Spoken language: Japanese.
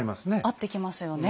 合ってきますよね。